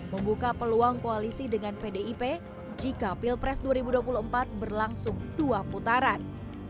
membuka peluang koalisi dengan pdip jika pilpres dua ribu dua puluh empat berlangsung dua putaran